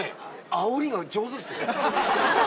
あおりが上手っすね。